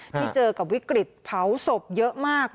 ที่เจอกับวิกฤตเผาศพเยอะมาก